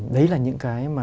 đấy là những cái mà